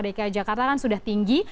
dki jakarta kan sudah tinggi